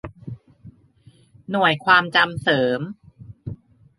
หน่วยความจำเสริม